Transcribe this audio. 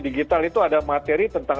digital itu ada materi tentang